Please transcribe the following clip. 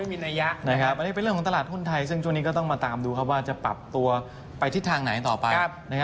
อันนี้เป็นเรื่องของตลาดหุ้นไทยซึ่งช่วงนี้ก็ต้องมาตามดูครับว่าจะปรับตัวไปทิศทางไหนต่อไป